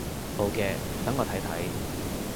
好嘅，等我睇睇